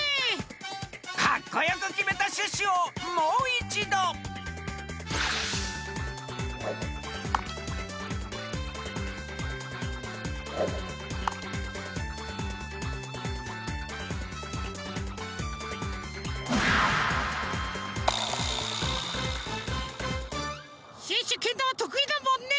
カッコよくきめたシュッシュをもういちどシュッシュけんだまとくいだもんね！